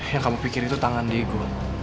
yang kamu pikir itu tangan diego